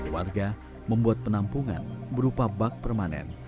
warga membuat penampungan berupa bak permanen